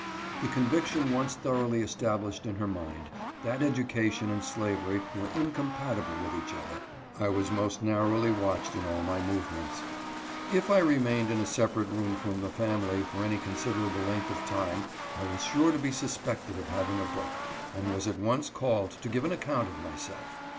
The conviction once thoroughly established in her mind, that education and slavery were incompatible with each other, I was most narrowly watched in all my movements. If I re mained in a separate room from the family for any con siderable length of time, I was sure to be suspected of having a book, and was at once called to give an account of myself.